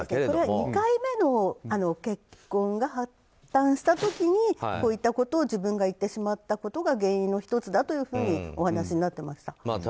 １回目の結婚が破たんした時にこういったことを自分が行ってしまったことが原因になっているかなとお話になってました。